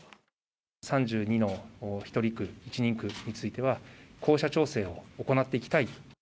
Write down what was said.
３２の１人区については、候補者調整を行っていきたい。